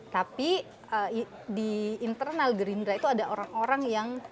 tapi di internal gerindra itu ada orang orang yang